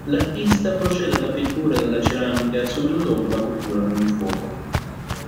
L'artista procede alla pittura della ceramica subito dopo la cottura con il fuoco.